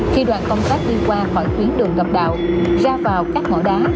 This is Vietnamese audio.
khi đoàn công tác đi qua khỏi tuyến đường gặp đạo ra vào các ngõ đá